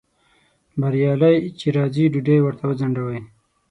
بریالی چې راځي ډوډۍ ورته وځنډوئ